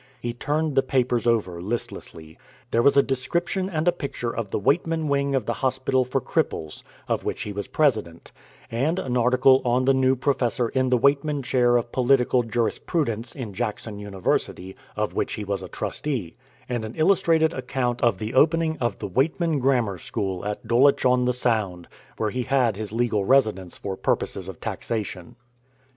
He turned the papers over listlessly. There was a description and a picture of the "Weightman Wing of the Hospital for Cripples," of which he was president; and an article on the new professor in the "Weightman Chair of Political Jurisprudence" in Jackson University, of which he was a trustee; and an illustrated account of the opening of the "Weightman Grammar School" at Dulwich on the Sound, where he had his legal residence for purposes of taxation.